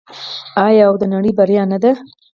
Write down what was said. آیا او د نړۍ بریا نه ده؟